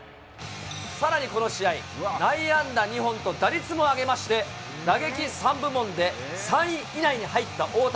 さらにこの試合、内野安打２本と打率も上げまして、打撃３部門で３位以内に入った大谷。